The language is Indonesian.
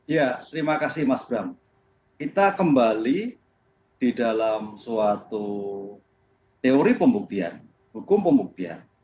ya terima kasih mas bram kita kembali di dalam suatu teori pembuktian hukum pembuktian